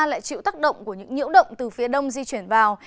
lại chịu tác động của những nhiễu động từ phía đông di chuyển vào